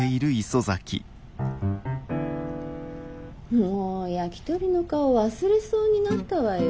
もうヤキトリの顔忘れそうになったわよ。